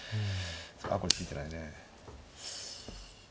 ああこれ突いてないね。